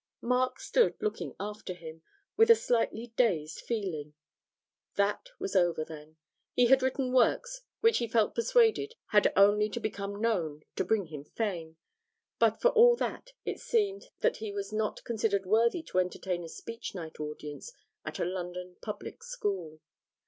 Mark stood looking after him, with a slightly dazed feeling. That was over, then. He had written works which he felt persuaded had only to become known to bring him fame; but for all that it seemed that he was not considered worthy to entertain a Speech night audience at a London public school.